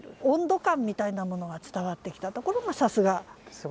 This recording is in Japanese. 温度感みたいなものが伝わってきたところがさすが。